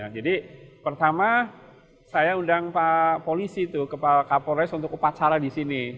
jadi pertama saya undang polisi kepala kapolres untuk upacara di sini